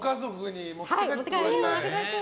持って帰ります！